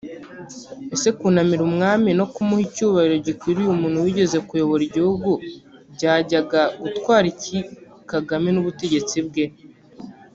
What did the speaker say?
Ese kunamira umwami no kumuha icyubahiro gikwiriye umuntu wigeze kuyobora igihugu byajyaga gutwara iki Kagame n’ubutegetsi bwe